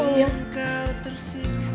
kira kau tersisa